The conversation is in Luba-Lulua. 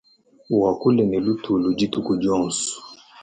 Wakule ne lutulu dituku dionso.